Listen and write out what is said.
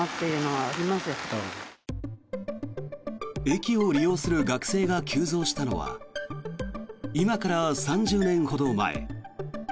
駅を利用する学生が急増したのは今から３０年ほど前。